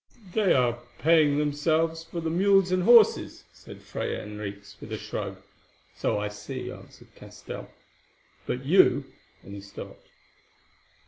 "They are paying themselves for the mules and horses," said Fray Henriques with a shrug. "So I see," answered Castell, "but you——" and he stopped.